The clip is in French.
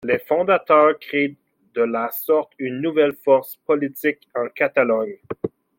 Les fondateurs créent de la sorte une nouvelle force politique en Catalogne.